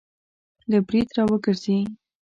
له برید را وګرځي